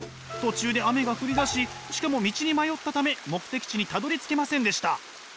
途中で雨が降りだししかも道に迷ったため目的地にたどりつけませんでした。